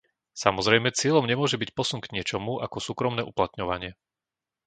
Samozrejme cieľom nemôže byť posun k niečomu ako súkromné uplatňovanie.